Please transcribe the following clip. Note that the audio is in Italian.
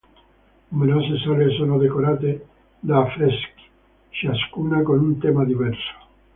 Numerose sale sono decorate da affreschi, ciascuna con un tema diverso.